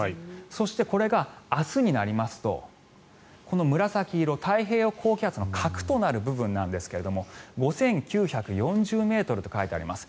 そして、これが明日になりますと紫色、太平洋高気圧の核となる部分なんですが５９４０ｍと書いてあります。